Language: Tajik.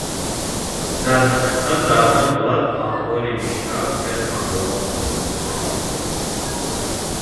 Дар ҳақиқат, дар он ҳолат аҳволи миршаб хеле хандаовар буд.